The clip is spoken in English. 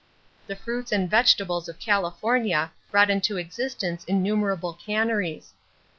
The fruits and vegetables of California brought into existence innumerable canneries.